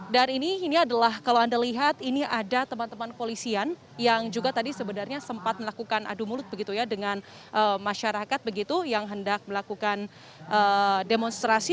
dan ini adalah kalau anda lihat ini ada teman teman polisian yang juga tadi sebenarnya sempat melakukan adu mulut begitu ya dengan masyarakat begitu yang hendak melakukan demonstrasi